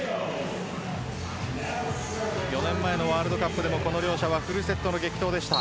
４年前のワールドカップでもこの両者はフルセットの激闘でした。